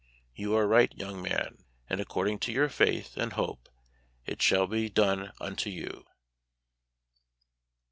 You are right, young man, and according to your faith and hope it shall be done unto you.